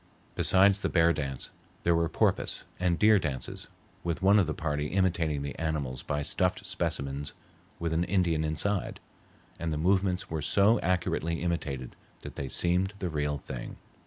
Besides the bear dance, there were porpoise and deer dances with one of the party imitating the animals by stuffed specimens with an Indian inside, and the movements were so accurately imitated that they seemed the real thing.